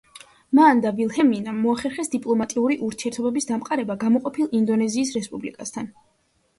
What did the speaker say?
მან და ვილჰელმინამ მოახერხეს დიპლომატიური ურთიერთობების დამყარება გამოყოფილ ინდონეზიის რესპუბლიკასთან.